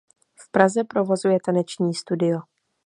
V Praze provozuje taneční studio.